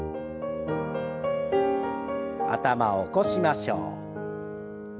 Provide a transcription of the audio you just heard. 頭を起こしましょう。